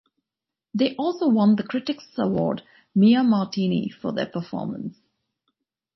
They also won the Critics' Award "Mia Martini" for their performance.